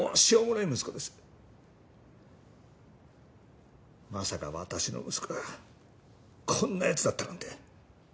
まさか私の息子がこんな奴だったなんて。